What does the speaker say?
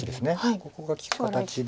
ここが利く形で。